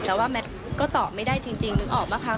แต่ว่าแมทก็ตอบไม่ได้จริงนึกออกป่ะคะ